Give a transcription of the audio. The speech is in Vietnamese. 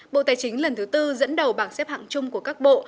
bộ tài chính lần thứ tư dẫn đầu bảng xếp hạng chung của các bộ